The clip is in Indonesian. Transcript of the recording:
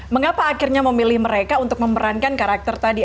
mengapa akhirnya memilih mereka untuk memerankan karakter tadi